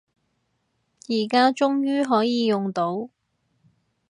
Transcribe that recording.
而家終於可以用到